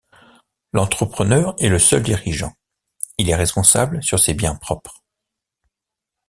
L'entrepreneur est le seul dirigeant, il est responsable sur ses biens propres.